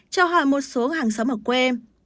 trao hỏi một số hàng xóm ở quê